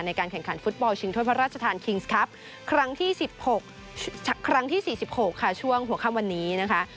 ในการแข่งขันฟุตบอลชิงโทษพระราชธานคิงส์ครั้งที่๔๖ช่วงหัวครั้งวันนี้นะคะ